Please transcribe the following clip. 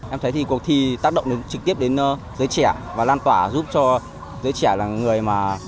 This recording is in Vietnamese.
em thấy thì cuộc thi tác động trực tiếp đến giới trẻ và lan tỏa giúp cho giới trẻ là người mà